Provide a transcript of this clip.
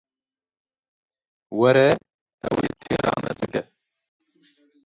Were ew ê têra me bike.